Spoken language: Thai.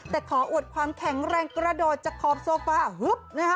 แต่ขออวดความแข็งแรงกระโดดจากขอบโซฟาฮึบนะฮะ